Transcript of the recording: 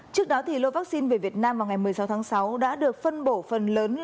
trước đó lô vaccine về việt nam vào ngày một mươi sáu tháng sáu đã được phân bổ phần lớn